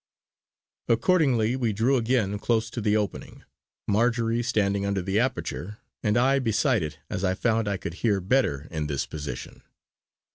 Accordingly we drew again close to the opening, Marjory standing under the aperture, and I beside it as I found I could hear better in this position.